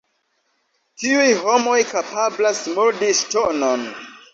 Tiuj homoj kapablas mordi ŝtonon!